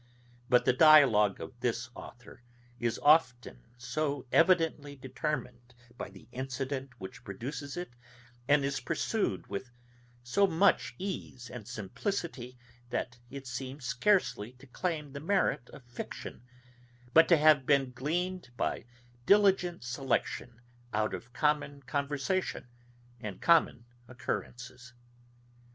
But the dialogue of this author is often so evidently determined by the incident which produces it, and is pursued with so much ease and simplicity, that it seems scarcely to claim the merit of fiction, but to have been gleaned by diligent selection out of common conversation, and common occurrences.